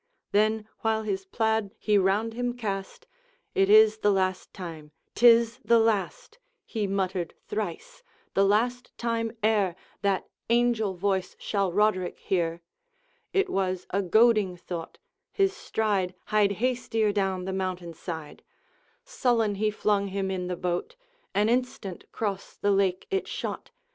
Then while his plaid he round him cast, 'It is the last time 'tis the last,' He muttered thrice, 'the last time e'er That angel voice shall Roderick hear'' It was a goading thought, his stride Hied hastier down the mountain side; Sullen he flung him in the boat An instant 'cross the lake it shot.